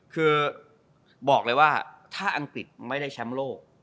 คือบอกเลยว่าถ้าอังกฤษไม่ได้แชมป์โลก